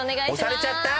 押されちゃった！